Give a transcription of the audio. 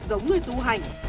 giống người tu hành